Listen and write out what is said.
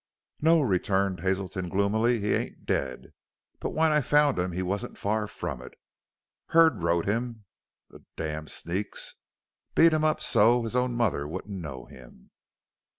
"No," returned Hazelton gloomily; "he ain't dead. But when I found him he wasn't far from it. Herd rode him, the damned sneaks! Beat him up so's his own mother wouldn't know him!"